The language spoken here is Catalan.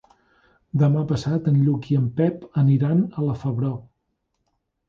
Demà passat en Lluc i en Pep aniran a la Febró.